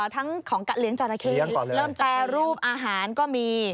ทั้งของการเลี้ยงจราเข้เริ่มแปรรูปอาหารก็มี